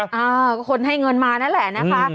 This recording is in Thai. เออก็คนให้เงินมานั่นแหละนะคะ